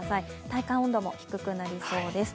体感温度も低くなりそうです。